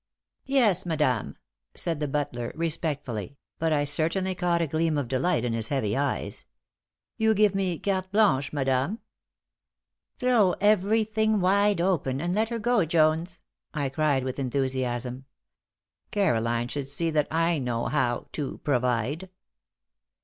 "Yes, madame," said the butler, respectfully, but I certainly caught a gleam of delight in his heavy eyes. "You give me carte blanche, madame?" "Throw everything wide open, and let 'er go, Jones," I cried, with enthusiasm. Caroline should see that I know how "to provide."